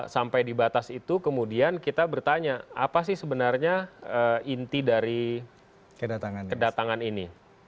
sampai di batas itu kemudian kita bertanya apa sih sebenarnya inti dari kedatangan ini